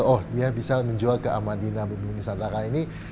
oh dia bisa menjual ke ahmadina bumbung nisantara ini